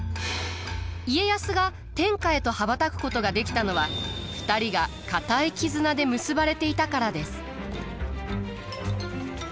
家康が天下へと羽ばたくことができたのは２人が固い絆で結ばれていたからです。